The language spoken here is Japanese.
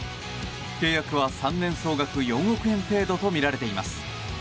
契約は３年総額４億円程度とみられています。